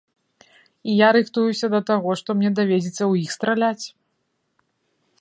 І я рыхтуюся да таго, што мне давядзецца ў іх страляць.